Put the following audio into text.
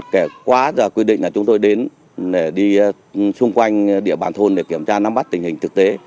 kể quá giờ quy định là chúng tôi đến để đi xung quanh địa bàn thôn để kiểm tra nắm bắt tình hình thực tế